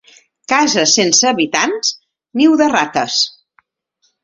Casa sense habitants, niu de rates.